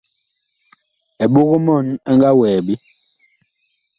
Eɓog-mɔɔn ɛ nga wɛɛ ɓe.